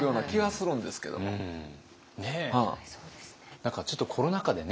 何かちょっとコロナ禍でね